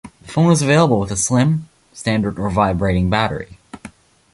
The phone was available with a slim, standard or vibrating battery.